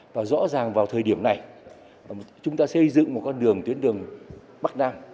và rõ ràng vào thời điểm này chúng ta xây dựng một con đường tuyến đường bắc nam